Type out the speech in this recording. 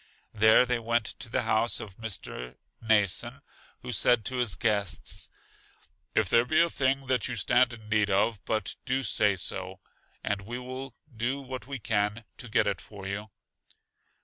There they went to the house of Mr. Mnason, who said to his guests: If there be a thing that you stand in need of, do but say so, and we will do what we can to get it for you.